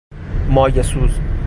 مایه سوز